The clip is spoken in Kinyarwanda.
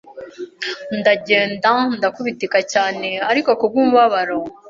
ndagenda ndakubitika cyane ariko kubw’umubabaro